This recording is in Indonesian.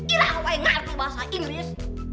irhan ngerti bahasa inggris